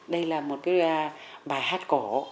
đây là một cái bài hát cổ